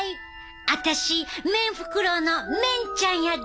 私メンフクロウのメンちゃんやで！